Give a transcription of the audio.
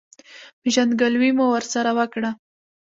پېژندګلوي مو ورسره وکړه.